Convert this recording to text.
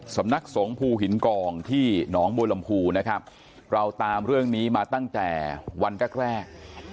สำนักสงภูหินกองที่หนองบัวลำพูนะครับเราตามเรื่องนี้มาตั้งแต่วันแรกแรก